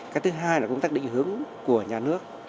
cái thứ hai là công tác định hướng của nhà nước